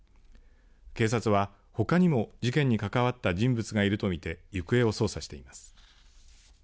警察は、ほかにも事件に関わった人物がいると見て行方を捜査しています。